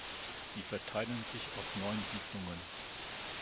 Sie verteilen sich auf neun Siedlungen.